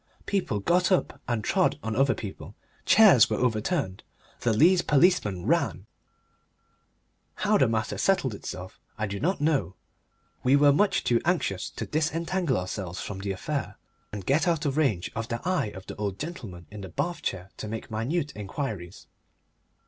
People got up and trod on other people, chairs were overturned, the Leas policeman ran. How the matter settled itself I do not know we were much too anxious to disentangle ourselves from the affair and get out of range of the eye of the old gentleman in the bath chair to make minute inquiries.